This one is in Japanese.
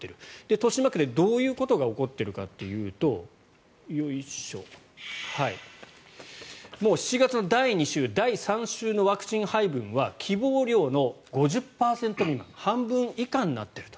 豊島区でどういうことが起こっているかというともう７月の第２週、第３週のワクチン配分は希望量の５０％未満半分以下になっていると。